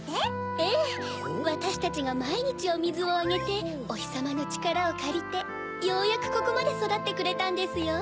ええわたしたちがまいにちおみずをあげておひさまのちからをかりてようやくここまでそだってくれたんですよ。